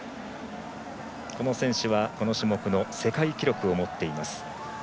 この選手は、この種目の世界記録を持っています。